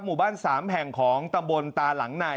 หมู่บ้าน๓แห่งของตำบลตาหลังนาย